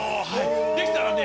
できたらね